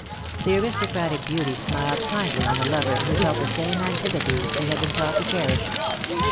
The aristocratic beauty smiled kindly on a lover who felt the same antipathies she had been taught to cherish.